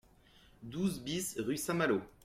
douze BIS rue Saint-Malo